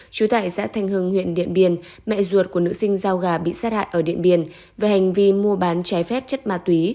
trú tại giã thanh hưng huyện điện biên mẹ ruột của nữ sinh dao gà bị sát hại ở điện biên về hành vi mua bàn chai phép chân ma túy